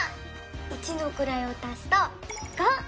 一のくらいを足すと「５」。